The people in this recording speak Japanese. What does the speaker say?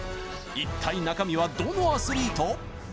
一体中身はどのアスリート？